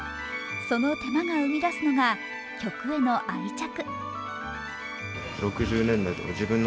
その手間が生み出すのが曲への愛着。